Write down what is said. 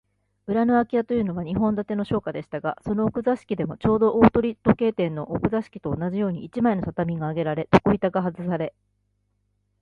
裏のあき家というのは、日本建ての商家でしたが、その奥座敷でも、ちょうど大鳥時計店の奥座敷と同じように、一枚の畳があげられ、床板がはずされ、